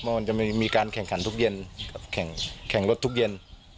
มันจะมีการแข่งขันทุกเย็นแข่งรถทุกเย็น